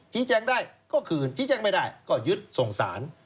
แจ้งได้ก็คืนชี้แจงไม่ได้ก็ยึดส่งสาร